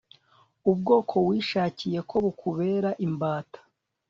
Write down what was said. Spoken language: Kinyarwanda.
ubwoko wishakiye ko bukubera imbata